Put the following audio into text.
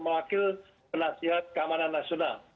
wakil penasihat keamanan nasional